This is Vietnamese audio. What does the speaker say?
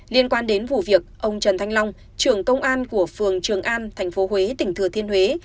liên quan đến vụ việc ông trần thanh long trưởng công an của phường trường an thành phố huế tỉnh thừa thiên huế